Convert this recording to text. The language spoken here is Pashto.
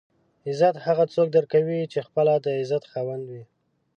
عزت هغه څوک درکوي چې خپله د عزت خاوند وي.